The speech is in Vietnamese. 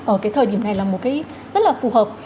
ở cái thời điểm này là một cái rất là phù hợp